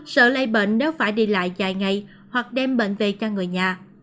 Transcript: sợ lây bệnh nếu phải đi lại dài ngày hoặc đem bệnh về cho người nhà